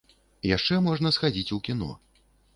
Яшчэ можна схадзіць у кіно.